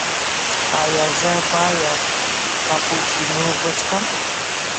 ایا زه باید کاپوچینو وڅښم؟